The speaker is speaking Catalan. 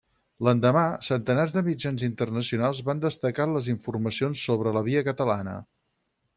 L'endemà, centenars de mitjans internacionals van destacar les informacions sobre la Via Catalana.